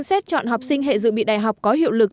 xét chọn học sinh hệ dự bị đại học có hiệu lực